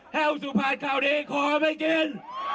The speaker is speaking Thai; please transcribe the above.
แห้วสุพรรณคราวนี้ขอไม่กิน